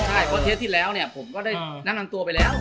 ใช่เพราะเทสที่แล้วเนี่ยผมก็ได้แนะนำตัวไปแล้ว